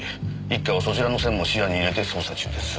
一課はそちらの線も視野に入れて捜査中です。